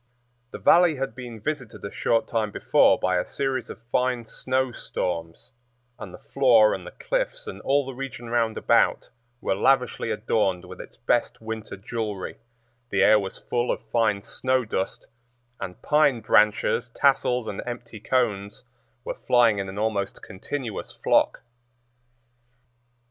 The Valley had been visited a short time before by a series of fine snow storms, and the floor and the cliffs and all the region round about were lavishly adorned with its best winter jewelry, the air was full of fine snow dust, and pine branches, tassels and empty cones were flying in an almost continuous flock.